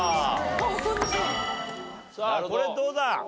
さあこれどうだ？